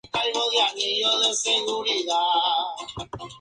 Se construyeron tres estadios.